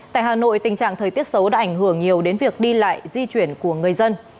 tại hà nội tình trạng thời tiết xấu đã ảnh hưởng nhiều đến việc đi lại di chuyển của người dân